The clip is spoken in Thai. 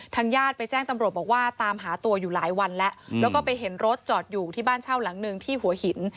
ญาติไปแจ้งตำรวจบอกว่าตามหาตัวอยู่หลายวันแล้วแล้วก็ไปเห็นรถจอดอยู่ที่บ้านเช่าหลังหนึ่งที่หัวหิน